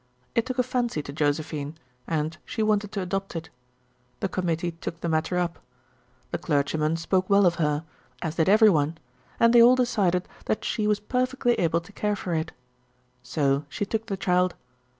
It took a fancy to Josephine, and she wanted to adopt it. The committee took the matter up. The clergyman spoke well of her, as did every one, and they all decided that she was perfectly able to care for it. So she took the child.